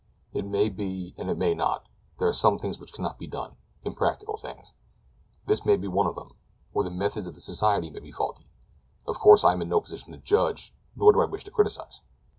"It may be and it may not—there are some things which cannot be done—impractical things. This may be one of them; or the methods of the society may be faulty. Of course I am in no position to judge, nor do I wish to criticise."